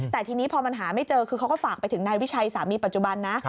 แต่ทีนี้พอมันหาไม่เจอคือเขาก็ฝากไปถึงนายวิชัยสามีปัจจุบันนะ